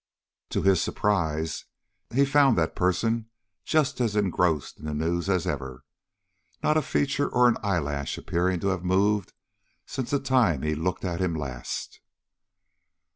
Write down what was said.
To his surprise he found that person just as engrossed in the news as ever, not a feature or an eyelash appearing to have moved since the time he looked at him last.